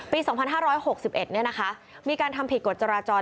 ปี๒๕๖๑นี่นะคะมีการทำผิดกฎจราจร